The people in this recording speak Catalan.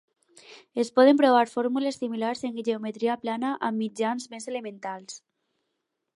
Es poden provar fórmules similars en geometria plana amb mitjans més elementals.